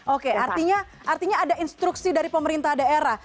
oke artinya ada instruksi dari pemerintah daerah